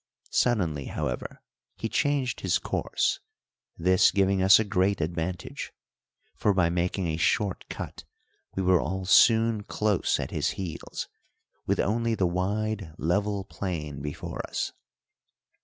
Suddenly, however, he changed his course, this giving us a great advantage, for by making a short cut we were all soon close at his heels, with only the wide level plain before us.